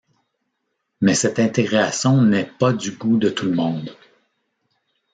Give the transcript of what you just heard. Mais cette intégration n'est pas du goût de tout le monde.